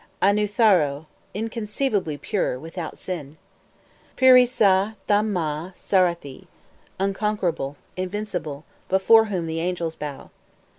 6. Annutharo, Inconceivably Pure, without Sin. 7. Purisah tham mah Sarathi, Unconquerable, Invincible, before whom the angels bow.